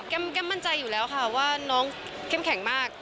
แก้มมั่นใจอยู่แล้วค่ะว่าน้องเข้มแข็งมาก